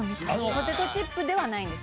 ポテトチップではないんです。